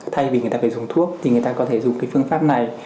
thay vì người ta phải dùng thuốc thì người ta có thể dùng cái phương pháp này